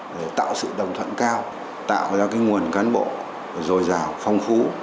để tạo sự đồng thuận cao tạo ra cái nguồn cán bộ dồi dào phong phú